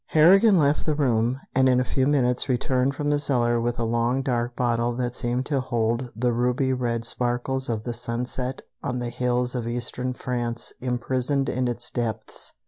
Harrigan left the room, and in a few minutes returned from the cellar with a long dark bottle that seemed to hold the ruby red sparkles of the sunset on the hills of eastern France imprisoned in its depths.